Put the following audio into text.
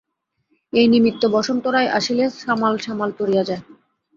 এই নিমিত্ত বসন্ত রায় আসিলে সামাল সামাল পড়িয়া যায়।